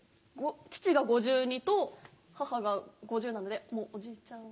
父が５２と母が５０なのでもうおじちゃん。